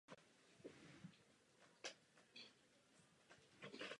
Nepravidelně je také otevřen pro veřejnost.